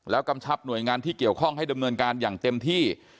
กำชับหน่วยงานที่เกี่ยวข้องให้ดำเนินการอย่างเต็มที่